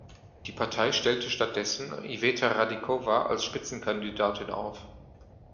Die Partei stellte stattdessen Iveta Radičová als Spitzenkandidatin auf.